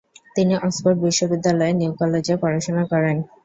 তিনি অক্সফোর্ড বিশ্ববিদ্যালয়ের নিউ কলেজে পড়াশোনা করেন।